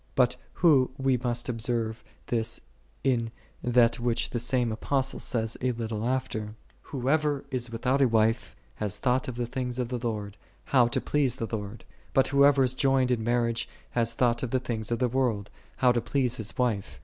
But who but must observe this in that which the same Apostle says a little after, "Whoso is without a wife has thought of the things of the Lord, how to please the Lord: but whoso is joined in marriage has thought of the things of the world, how to please his wife.